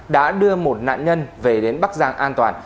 đã đưa một nạn nhân về đến bắc giang an toàn